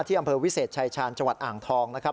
อำเภอวิเศษชายชาญจังหวัดอ่างทองนะครับ